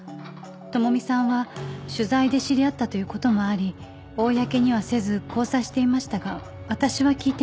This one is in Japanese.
朋美さんは取材で知り合ったという事もあり公にはせず交際していましたが私は聞いていました。